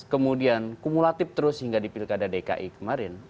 kemudian kumulatif terus hingga di pilkada dki kemarin